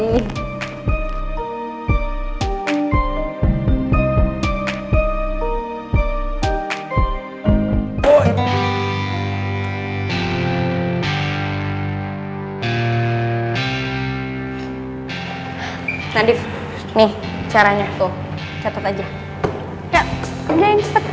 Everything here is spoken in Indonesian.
nadief nih caranya tuh catet aja